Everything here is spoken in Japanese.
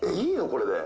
これで。